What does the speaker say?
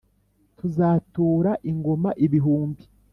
tuzatura ingoma ibihumbi